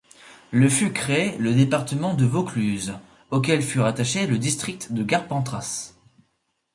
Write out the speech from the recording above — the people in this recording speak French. Le fut créé le département de Vaucluse auquel fut rattaché le district de Carpentras.